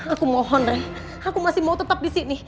atau hanya bercampaikan